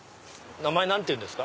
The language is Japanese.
名前何て言うんですか？